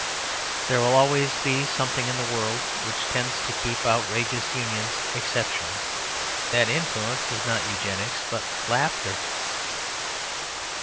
There will always be something in the world which tends to keep outrageous unions exceptional; that influence is not Eugenics, but laughter.